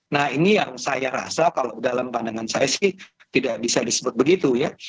nah ini yang saya rasa kalau dalam pandangan saya sih tidak bisa disebut begitu ya